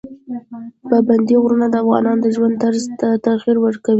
پابندي غرونه د افغانانو د ژوند طرز ته تغیر ورکوي.